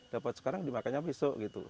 dapat sekarang dimakannya besok gitu